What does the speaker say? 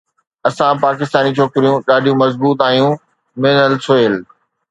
اسان پاڪستاني ڇوڪريون ڏاڍيون مضبوط آهيون منهل سهيل